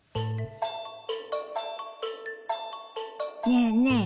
ねえねえ